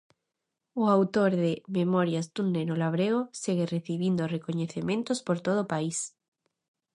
O autor de 'Memorias dun neno labrego' segue recibindo recoñecementos por todo o país.